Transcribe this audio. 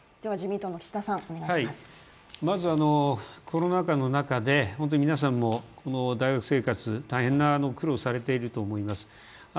まずコロナ禍の中で、皆さん大学生活大変な苦労されていると思います